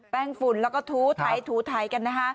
แป้งฝุ่นแล้วก็ทูไทยกันนะฮะ